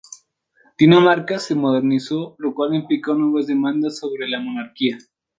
Dinamarca se modernizó, lo cual implicó nuevas demandas sobre la monarquía.